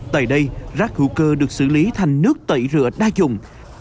tại đây rác hữu cơ được xử lý thành nước tẩy rửa đa dùng